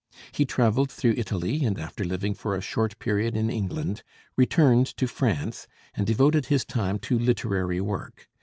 He traveled through Italy, and after living for a short period in England returned to France and devoted his time to literary work.